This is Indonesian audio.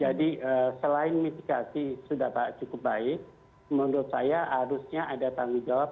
jadi selain mitigasi sudah cukup baik menurut saya harusnya ada tanggung jawab